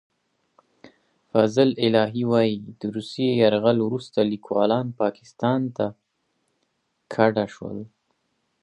فضل الهي وايي، د روسي یرغل وروسته لیکوالان پاکستان ته کډه شول.